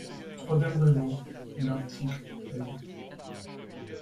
Troisième raison : l’article L.